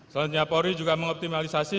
selanjutnya pori juga mengoptimalisasi